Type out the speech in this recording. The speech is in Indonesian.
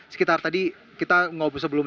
sekitar tadi kita ngobrol sebelum